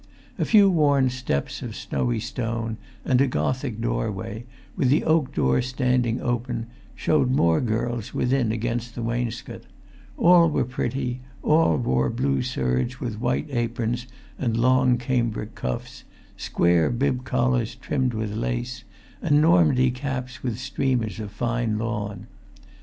A few worn steps of snowy stone, and a Gothic doorway, with the oak door standing open, showed more girls within against the wainscot; all were pretty; and all wore blue serge, with white aprons and long cambric cuffs, square bib collars trimmed with lace, and Normandy caps with streamers of fine lawn.